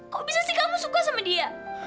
kok bisa sih kamu suka sama dia